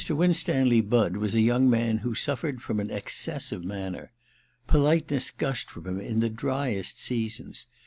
Winstanley Budd was a young man who suflered from an excess of manner. Polite ness gushed from him in the driest seasons.